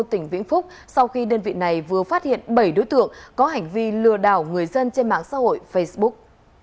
tỉnh vĩnh phúc sau khi đơn vị này vừa phát hiện bảy đối tượng có hành vi lừa đảo người dân trên mạng xã hội facebook